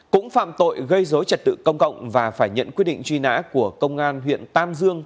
cũng phạm tội gây dối trật tự công cộng và phải nhận quyết định truy nã của công an huyện tam dương